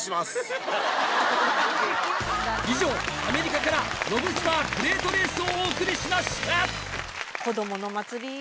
以上アメリカからロブスタークレートレースをお送りしました。